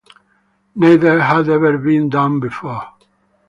Neither had ever been done before.